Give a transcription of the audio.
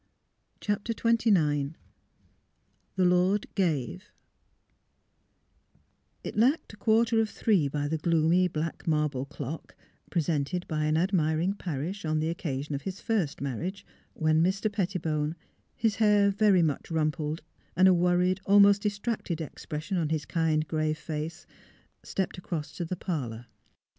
CHAPTER XXIX THE LORD GAVE It lacked a quarter of three by the gloomy, black marble clock (presented by an admiring i^arish, on the occasion of his first marriage) when Mr. Pettibone, his hair very much rumpled and a wor ried, almost distracted expression on his kind, grave face, stepped across to the parlour.